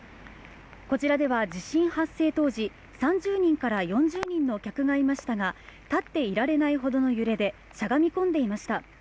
こちらでは地震発生当時３０人から４０人の客がいましたが、立っていられないほどの揺れで、しゃがみ込んでいました。